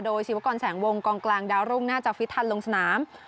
โดยชีวกรแสงวงกองกลางดาวรุ่งน่าจะฟิตทันลงสนาม